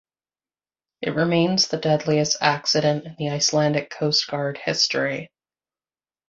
It remains the deadliest accident in the Icelandic Coast Guard history.